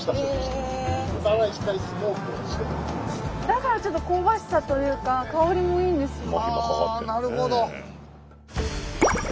だからちょっと香ばしさというか香りもいいんですよ。